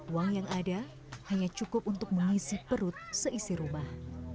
uang yang ada hanya cukup untuk mengisi perut seisi rumah